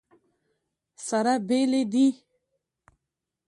سره بېلې دي.